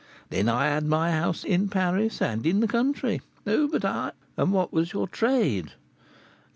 Then I had my house in Paris and in the country. Who but I " "And what was your trade?"